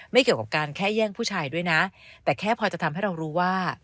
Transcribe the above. เกี่ยวกับการแค่แย่งผู้ชายด้วยนะแต่แค่พอจะทำให้เรารู้ว่า